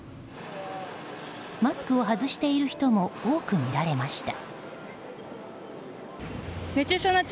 マスクを外している人も多く見られました。